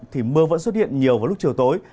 thì mưa vẫn xuất hiện nhiều vào lúc chiều tối